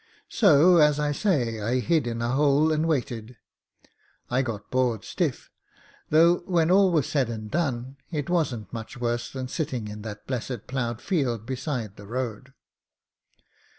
So, as I say, I hid in a hole and waited. I got bored stiff; though, when all was said and done, it wasn't much worse than sitting in that blessed ploughed field beside the road.